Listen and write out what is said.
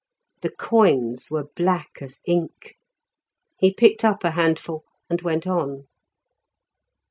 The coins were black as ink; he picked up a handful and went on.